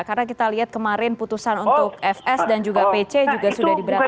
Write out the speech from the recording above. karena kita lihat kemarin putusan untuk fs dan juga pc juga sudah diberatkan